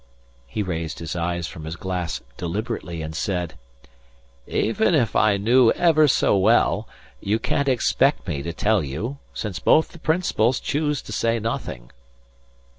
He raised his eyes from his glass deliberately and said: "Even if I knew ever so well, you can't expect me to tell you, since both the principals choose to say nothing."